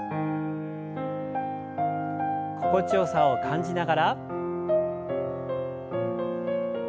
心地よさを感じながら。